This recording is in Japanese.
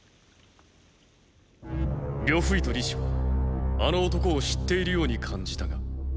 呂不韋と李斯はあの男を知っているように感じたが。